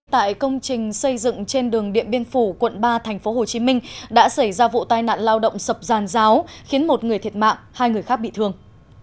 tại công trình xây dựng trên đường điện biên phủ quận ba tp hcm đã xảy ra vụ tai nạn lao động sập giàn giáo khiến một người thiệt mạng hai người khác bị thương